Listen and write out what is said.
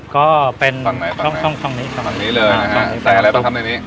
ก็เป็นตรงไหนตรงตรงตรงนี้ตรงนี้เลยนะฮะใส่อะไรปะครับในนี้